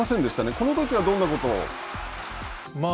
このときはどんなことを？